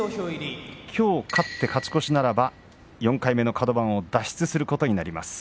きょう勝って勝ち越しならば４回目のカド番を脱出することになります。